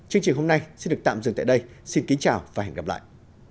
chương trình hôm nay xin được tạm dừng tại đây xin kính chào và hẹn gặp lại